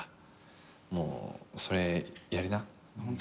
もうそれやりな。